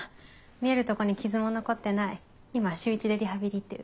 見えるとこに傷も残ってない今週１でリハビリ行ってる。